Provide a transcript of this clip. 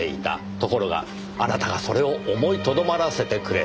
ところがあなたがそれを思いとどまらせてくれた。